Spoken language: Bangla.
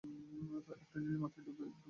একটা জিনিস মাথায় ঢুকছেই না!